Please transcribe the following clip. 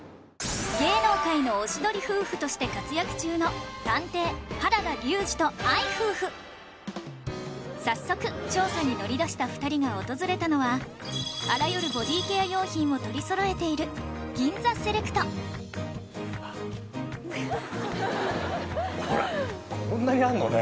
芸能界のおしどり夫婦として活躍中の早速調査に乗り出した２人が訪れたのはあらゆるボディケア用品を取りそろえているほらこんなにあるのね。